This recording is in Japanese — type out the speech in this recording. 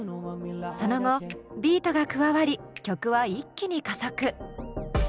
その後ビートが加わり曲は一気に加速。